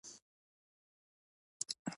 د خوږې خبرې ارزښت د زړونو فتح کوي.